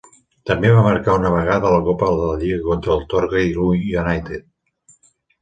També va marcar una vegada a la Copa de la lliga contra el Torquay United.